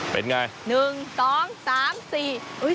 เป็นอย่างไร